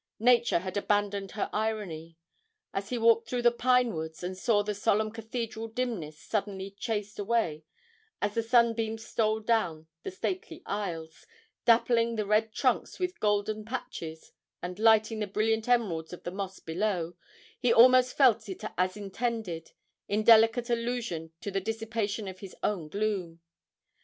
Nature had abandoned her irony. As he walked through the pine woods and saw the solemn cathedral dimness suddenly chased away as the sunbeams stole down the stately aisles, dappling the red trunks with golden patches and lighting the brilliant emeralds of the moss below, he almost felt it as intended in delicate allusion to the dissipation of his own gloom.